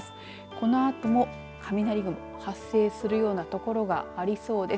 このあとも雷雲発生するような所がありそうです。